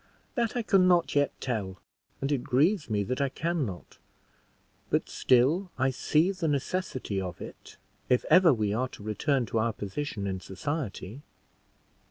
"That I can not yet tell, and it grieves me that I can not; but still I see the necessity of it, if ever we are to return to our position in society."